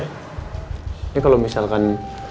ini kalau misalkan